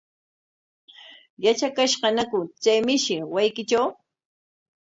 ¿Yatrakashqañaku chay mishi wasiykitraw?